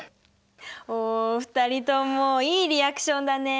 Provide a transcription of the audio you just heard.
おお２人ともいいリアクションだね。